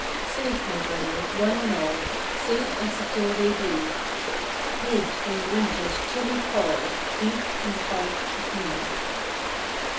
Safe, my Brother, one and all; Safe and secure they be, Hid from the winter s chilly pall Deep in the heart of me.